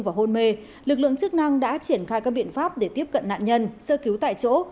và hôn mê lực lượng chức năng đã triển khai các biện pháp để tiếp cận nạn nhân sơ cứu tại chỗ